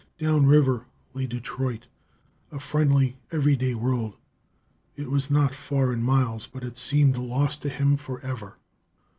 Down river lay Detroit, a friendly, everyday world. It was not far in miles, but it seemed lost to him forever....